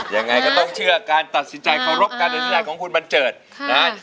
ยังไงก็ต้องเชื่อการตัดสินใจเคารพการตัดสินใจของคุณบันเจิดนะฮะ